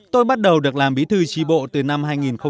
tôi bắt đầu được làm bí thư trí bộ từ năm hai nghìn một mươi một